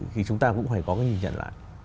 thì chúng ta cũng phải có cái nhìn nhận lại